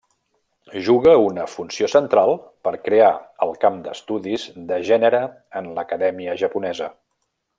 Juga una funció central per crear el camp d'estudis de gènere en l'acadèmia japonesa.